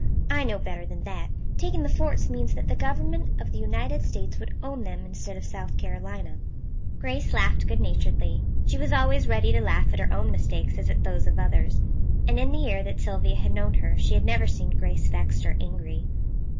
"I know better than that. Taking the forts means that the Government of the United States would own them instead of South Carolina." Grace laughed good naturedly. She was always as ready to laugh at her own mistakes as at those of others; and in the year that Sylvia had known her she had never seen Grace vexed or angry.